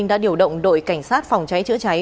đã điều động đội cảnh sát phòng cháy chữa cháy